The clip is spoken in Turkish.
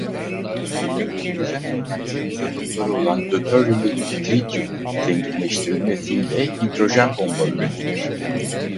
Hidrojen elementinin izotopları olan döteryum ve trityumun zenginleştirilmesiyle hidrojen bomba üretilir.